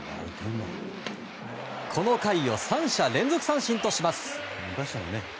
この回を３者連続三振とします。